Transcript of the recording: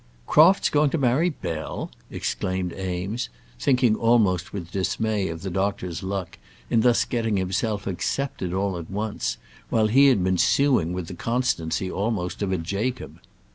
"Crofts going to marry Bell!" exclaimed Eames, thinking almost with dismay of the doctor's luck in thus getting himself accepted all at once, while he had been suing with the constancy almost of a Jacob.